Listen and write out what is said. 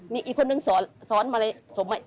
มีอีกคนนึงสอนมาเลย